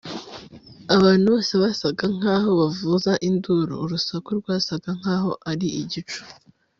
abantu bose basaga nkaho bavuza induru; urusaku rwasaga nkaho ari igicu